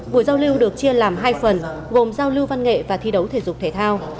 buổi giao lưu được chia làm hai phần gồm giao lưu văn nghệ và thi đấu thể dục thể thao